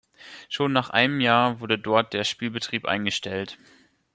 Schon nach einem Jahr wurde dort der Spielbetrieb eingestellt.